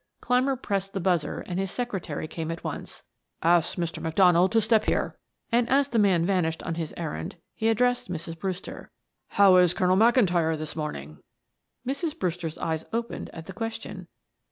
Clymer pressed the buzzer and his secretary came at once. "Ask Mr. McDonald to step here," and as the man vanished on his errand, he addressed Mrs. Brewster. "How is Colonel McIntyre this morning?" Mrs. Brewster's eyes opened at the question.